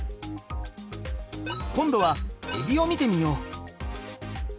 今度はえびを見てみよう。